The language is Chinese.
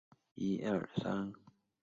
该党主张马提尼克独立。